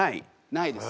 ないです。